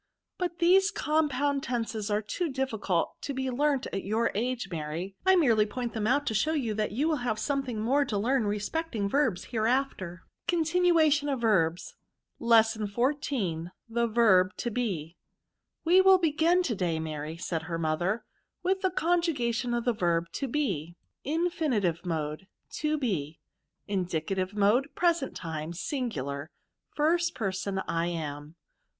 But these compound tenses are too difficult to be learnt at your age, Mary ; I merely point them out to show you that you will have something more to learn respecting verbs hereafter. CONTINUATION OF VERBS. Lesson XIV. The Verb To Be. <« We will begin to day, Mary," said her mo ther, " with the conjugation of the verb to be:' VERBS.' 26 r IvriNITITB MODX. To be. Iin>iCATiyx Mode. PreserU Time* Singviar, PluraU Ist Person. I am.